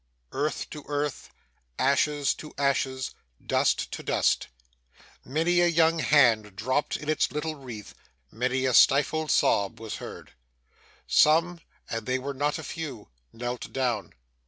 Earth to earth, ashes to ashes, dust to dust! Many a young hand dropped in its little wreath, many a stifled sob was heard. Some and they were not a few knelt down.